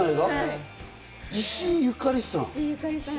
石井ゆかりさん？